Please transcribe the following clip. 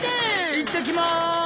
いってきます！